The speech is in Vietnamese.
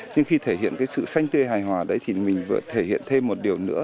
nhưng khi thể hiện cái sự xanh tươi hài hòa đấy thì mình vừa thể hiện thêm một điều nữa